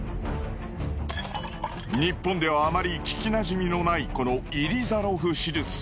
日本ではあまり聞きなじみのないこのイリザロフ手術。